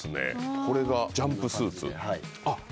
これがジャンプスーツ。